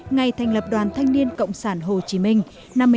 ngày thành lập đoàn thanh niên cộng sản hồ chí minh